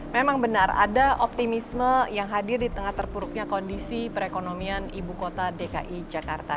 memang benar ada optimisme yang hadir di tengah terpuruknya kondisi perekonomian ibu kota dki jakarta